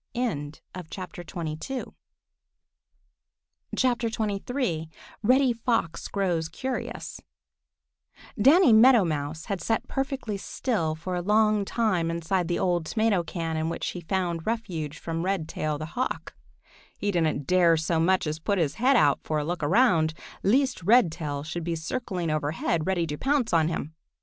XXIII REDDY FOX GROWS CURIOUS DANNY MEADOW MOUSE had sat perfectly still for a long time inside the old tomato can in which he had found a refuge from Redtail the Hawk. He didn't dare so much as put his head out for a look around, lest Redtail should be circling overhead ready to pounce on him.